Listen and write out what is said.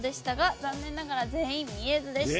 残念ながら全員みえずでした。